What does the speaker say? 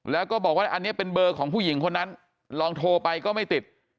แล้วก็บอกว่าอันนี้เป็นเบอร์ของผู้หญิงคนนั้นลองโทรไปก็ไม่ติด